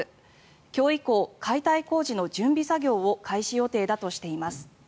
今日以降、解体工事の準備作業を開始予定だとしています。